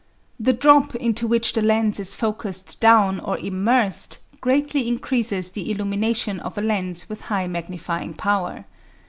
The drop into which the lens is focussed down or "immersed" greatly increases the illumination of a lens with high magnifying power.